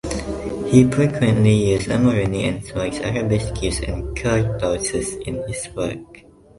He frequently used amorini and swags, arabesques and cartouches in his work.